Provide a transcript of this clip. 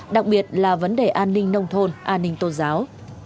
đặc biệt là vấn đề an ninh nông thôn an ninh tôn giáo